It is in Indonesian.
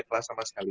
kelas sama sekali